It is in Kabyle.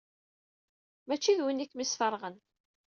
Mačči d winna i kem-yesfeṛɣen?